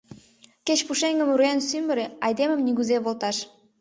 Кеч пушеҥгым руэн сӱмырӧ, айдемым нигузе волташ.